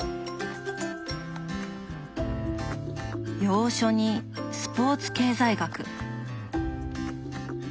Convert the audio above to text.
洋書にスポーツ経済学。